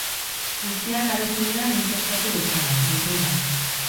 Guztiak aritu dira nik eskatu bezala, neurrian.